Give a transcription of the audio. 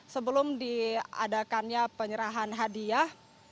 sebelum diadakannya penyerahan hadiah